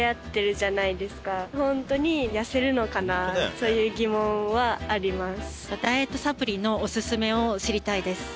そういう疑問はあります。